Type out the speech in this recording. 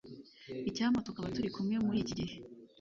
icyampa tukaba turi kumwe muri iki gihe